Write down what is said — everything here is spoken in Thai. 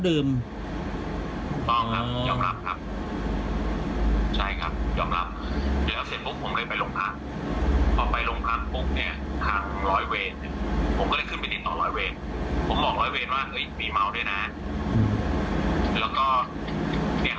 อันนี้มันแค่ผมขู่หน้าผมขู่โทษไม่มีอะไร